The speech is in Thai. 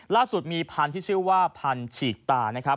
ล่าสุดมีพันธุ์ที่ชื่อว่าพันธุ์ฉีกตานะครับ